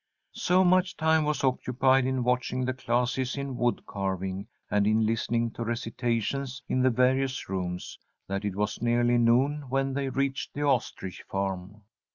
So much time was occupied in watching the classes in wood carving, and in listening to recitations in the various rooms, that it was nearly noon when they reached the ostrich farm.